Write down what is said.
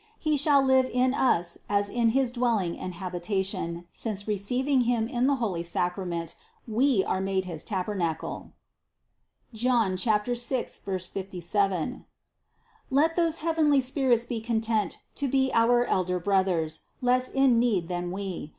He shall live in us as in his dwelling and habitation, since receiving Him in the holy Sacrament we are made his tabernacle (Joan 6, 57). Let those heavenly spirits be content to be our elder brothers, less in need than we.